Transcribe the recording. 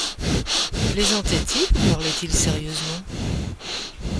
Plaisantait-il ou parlait-il sérieusement ?